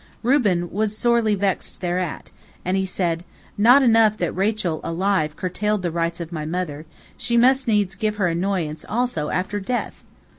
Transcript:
Reuben was sorely vexed thereat, and he said, "Not enough that Rachel alive curtailed the rights of my mother, she must needs give her annoyance also after death!"